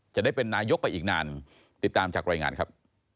จะได้เป็นนายกไปอีกนานติดตามจากรายงานครับ